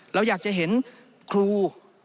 เราอยากจะเห็นครู